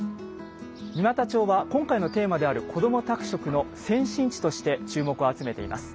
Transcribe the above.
三股町は今回のテーマである「こども宅食」の先進地として注目を集めています。